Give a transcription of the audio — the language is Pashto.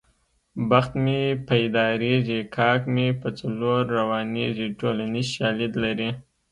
بخت مې پیدارېږي کاک مې په څلور روانېږي ټولنیز شالید لري